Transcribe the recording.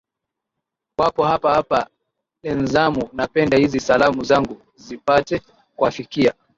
wapo hapa hapa lenzamu napenda hizi salamu zangu zipate kuwafikia